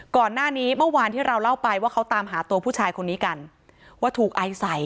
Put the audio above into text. เมื่อวานนี้เมื่อวานที่เราเล่าไปว่าเขาตามหาตัวผู้ชายคนนี้กันว่าถูกไอใส่